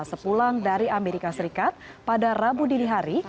sepulang dari amerika serikat pada rabu dini hari